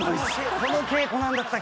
この稽古何だったっけ？